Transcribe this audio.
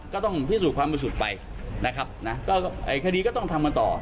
ก็ต้องพิสูจน์ความบริสุทธิ์ไปนะครับนะก็ไอ้คดีก็ต้องทำกันต่อ